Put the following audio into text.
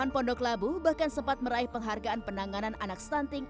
pondok labu bahkan sempat meraih penghargaan penanganan anak stunting